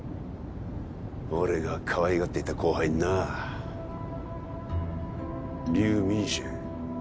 俺がかわいがっていた後輩になリュウ・ミンシュエン